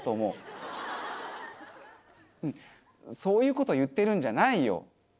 ううんそういう事言ってるんじゃないよ。